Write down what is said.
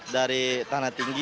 dari tanah tinggi